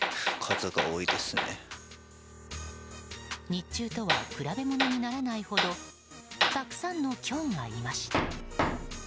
日中とは比べものにならないほどたくさんのキョンがいました。